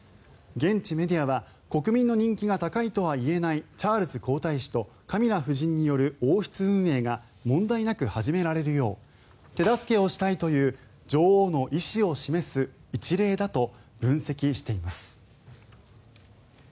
現地メディアは国民の人気が高いとは言えないチャールズ皇太子とカミラ夫人による王室運営が問題なく始められるよう手助けをしたいという女王の意思を示す一例だと分析しています。